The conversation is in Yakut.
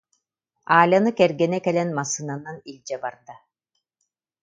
Аляны кэргэнэ кэлэн массыынанан илдьэ барда